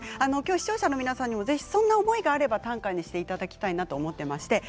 視聴者の皆さんもぜひそんな思いを短歌にしていただきたいと思います。